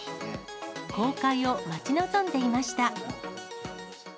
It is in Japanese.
公開を待ち望んでいました。